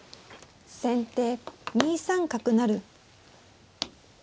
先手２三角成。